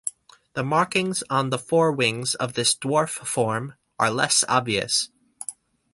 The markings on the forewings of this dwarf form are less obvious.